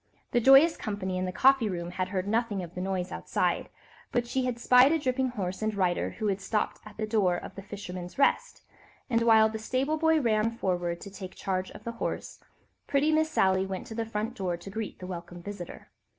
The joyous company in the coffee room had heard nothing of the noise outside, but she had spied a dripping horse and rider who had stopped at the door of "The Fisherman's Rest," and while the stable boy ran forward to take charge of the horse, pretty Miss Sally went to the front door to greet the welcome visitor.